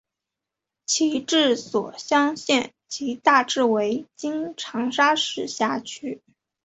其治所湘县即大致为今长沙市辖区。